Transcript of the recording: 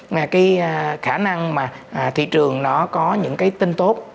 mà cái khả năng mà thị trường nó có những cái tin tốt